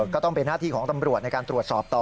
ก็ต้องเป็นหน้าที่ของตำรวจในการตรวจสอบต่อ